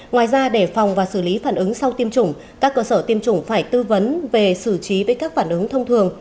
ngoài ra để phòng và xử lý phản ứng sau tiêm chủng các cơ sở tiêm chủng phải tư vấn về xử trí với các phản ứng thông thường